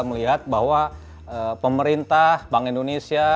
melihat bahwa pemerintah bank indonesia